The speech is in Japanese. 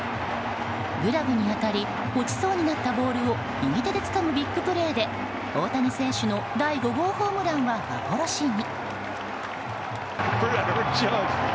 グラブに当たり落ちそうになったボールを右手でつかむビッグプレーで大谷選手の第５号ホームランは幻に。